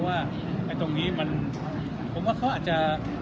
ข้างตรงนี้มันเขาอาจจะ